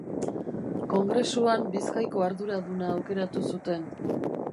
Kongresuan Bizkaiko arduraduna aukeratu zuten.